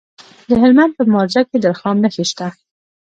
د هلمند په مارجه کې د رخام نښې شته.